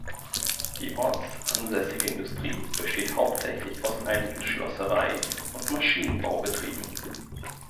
Die ortsansässige Industrie besteht hauptsächlich aus einigen Schlosserei- und Maschinenbaubetrieben.